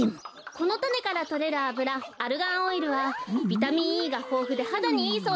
このたねからとれるあぶらアルガンオイルはビタミンＥがほうふではだにいいそうですよ。